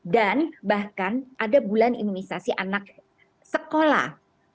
dan bahkan ada bulan imunisasi anak sekolah